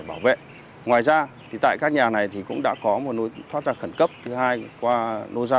xây dựng ngoài ra thì tại các nhà này thì cũng đã có một nối thoát nạn khẩn cấp thứ hai qua nối ra